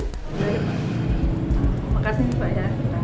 terima kasih pak